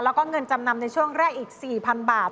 แล้วก็เงินจำนำในช่วงแรกอีก๔๐๐๐บาท